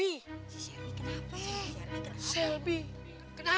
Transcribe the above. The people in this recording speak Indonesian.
si selby kenapa